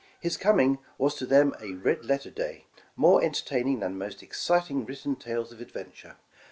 His coming was to them a red letter day, more entertaining than the most exciting written tales of adventure.